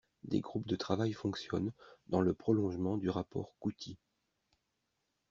Des groupes de travail fonctionnent dans le prolongement du rapport Couty.